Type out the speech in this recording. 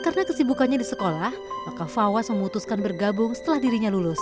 karena kesibukannya di sekolah maka fawaz memutuskan bergabung setelah dirinya lulus